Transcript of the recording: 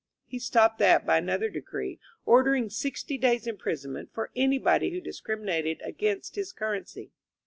He stopped that by another decree, ordering sixty days' imprisonment for anybody who discriminated against his currency.